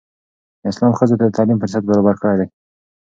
اسلام ښځو ته د تعلیم فرصت برابر کړی دی.